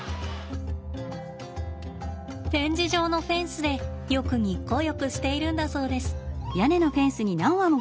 展示場のフェンスでよく日光浴しているんだそうです。